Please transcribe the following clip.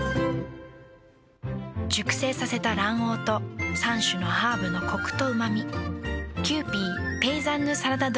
熟成させた卵黄と３種のハーブのコクとうま味。